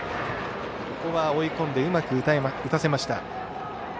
ここは追い込んでうまく打たせました。